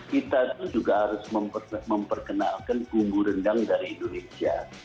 kita itu juga harus memperkenalkan bumbu rendang dari indonesia